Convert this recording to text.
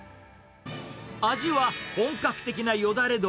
味は本格的なよだれ鶏。